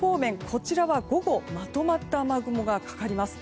こちらは午後まとまった雨雲がかかります。